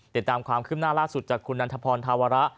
เดี๋ยวตามความขึ้นหน้าล่าสุดจากคุณนันทพรธาวระ